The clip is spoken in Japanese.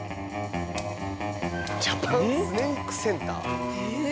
ジャパン・スネークセンター。